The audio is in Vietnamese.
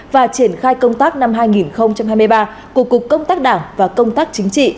và triển khai công tác năm hai nghìn hai mươi ba của cục công tác đảng và công tác chính trị